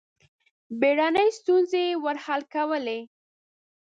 بېړنۍ ستونزې یې ور حل کولې.